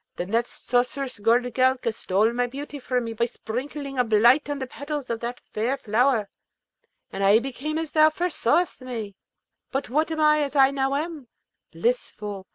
Then that sorceress Goorelka stole my beauty from me by sprinkling a blight on the petals of the fair flower, and I became as thou first saw'st me. But what am I as I now am? Blissful!